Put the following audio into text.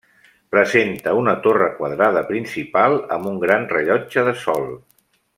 Presenta una torre quadrada principal amb un gran rellotge de sol.